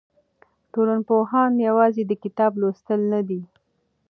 ټولنپوهنه یوازې د کتاب لوستل نه دي.